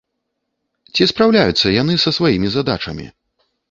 Ці спраўляюцца яны са сваімі задачамі?